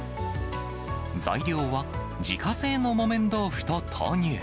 材料は、自家製の木綿豆腐と豆乳。